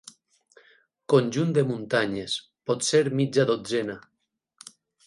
Conjunt de muntanyes, potser mitja dotzena.